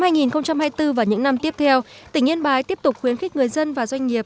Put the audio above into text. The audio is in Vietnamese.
năm hai nghìn hai mươi bốn và những năm tiếp theo tỉnh yên bái tiếp tục khuyến khích người dân và doanh nghiệp